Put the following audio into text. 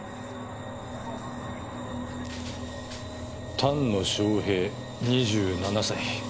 丹野翔平２７歳。